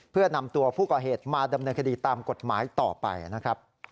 เพื่อนำตัวผู้ก่อเหตุมาดำเนินคดีตามกฎหมายต่อไปนะครับ